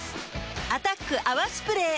「アタック泡スプレー」